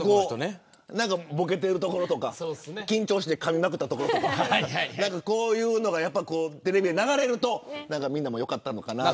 ボケてるところとか緊張してかみまくったところとかこういうのがテレビで流れるとみんなも良かったのかなと。